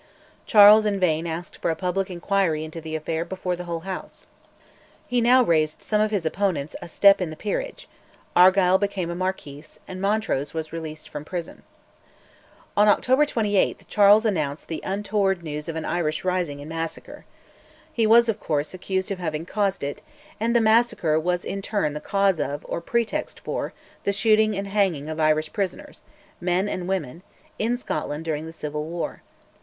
Charles in vain asked for a public inquiry into the affair before the whole House. He now raised some of his opponents a step in the peerage: Argyll became a marquis, and Montrose was released from prison. On October 28 Charles announced the untoward news of an Irish rising and massacre. He was, of course, accused of having caused it, and the massacre was in turn the cause of, or pretext for, the shooting and hanging of Irish prisoners men and women in Scotland during the civil war.